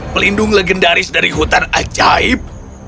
pelindung legendaris dari hutan ajaib